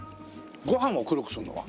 ご飯を黒くするのは？